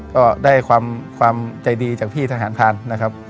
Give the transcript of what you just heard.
ก็ได้ความใจดีจากพี่ทหารผ่านนะครับ